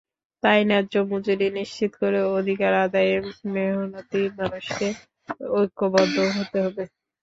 তাই ন্যায্য মজুরি নিশ্চিত করে অধিকার আদায়ে মেহনতি মানুষকে ঐক্যবদ্ধ হতে হবে।